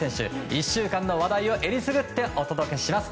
１週間の話題を選りすぐってお届けします。